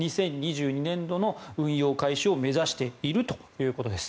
２０２２年度の運用開始を目指しているということです。